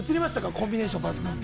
コンビネーション抜群って。